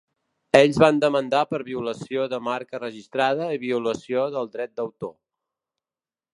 Ells van demandar per violació de marca registrada i violació del dret d'autor.